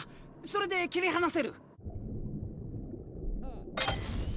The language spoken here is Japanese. それで切り離せる。